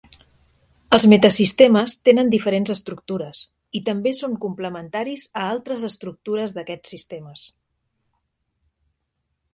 Els metasistemes tenen diferents estructures i també són complementaris a altres estructures d'aquests sistemes.